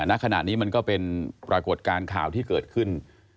ณขณะนี้มันก็เป็นปรากฏการณ์ข่าวที่เกิดขึ้น